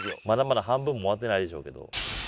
まだまだ半分も終わってないでしょうけど。